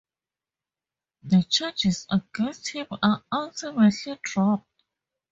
The charges against him are ultimately dropped.